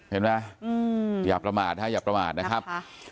เห็นไหมอย่าประมาทนะครับ